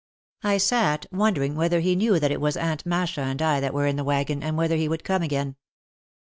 I sat wondering whether he knew that it was Aunt Masha and I that were in the wagon, and whether he would come again.